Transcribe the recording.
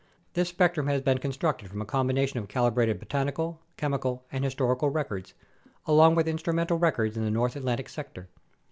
This spectrum has been constructed from a combination of calibrated botanical, chemi cal, and historical records, along with instrumental records in the North Atlantic sector.